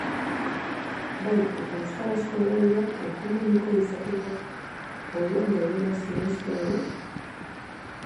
Bai eta euskarazko hedabideak hegemoniko izateko moduan daudela sinestea ere?